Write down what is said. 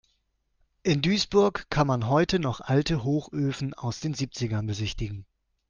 In Duisburg kann man heute noch alte Hochöfen aus den Siebzigern besichtigen.